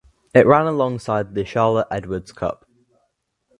It ran alongside the Charlotte Edwards Cup.